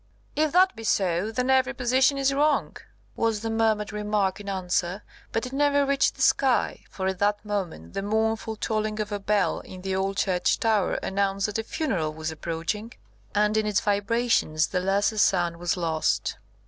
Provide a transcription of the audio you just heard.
"If that be so, then every position is wrong," was the murmured remark in answer; but it never reached the sky, for at that moment the mournful tolling of a bell in the old church tower announced that a funeral was approaching, and in its vibrations the lesser sound was lost.